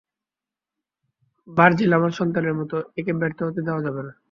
Virgil আমার সন্তানের মতো, একে ব্যর্থ হতে দেওয়া যাবে না।